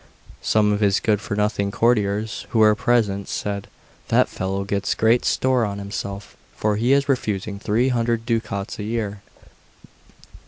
Some of his good for nothing courtiers who were present said: "That fellow sets great store on himself, for he is refusing three hundred ducats a year."